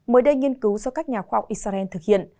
mới đây nghiên cứu do các nhà khoa học israel thực hiện